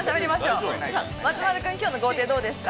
松丸君、きょうの豪邸どうですか？